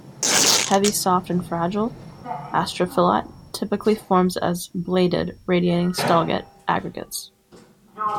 Heavy, soft and fragile, astrophyllite typically forms as "bladed", radiating "stellate" aggregates.